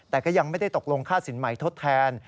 แต่ก็ยังไม่ได้ตกลงค่าสินใหม่ทดแทน